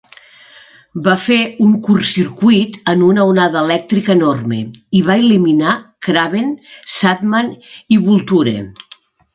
Va fer un "curtcircuit" en una onada elèctrica enorme, i va eliminar Kraven, Sandman i Vulture.